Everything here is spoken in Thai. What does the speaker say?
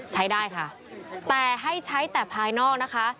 ใช้ได้ค่ะแต่ให้ใช้แต่ภายนอกนะคะ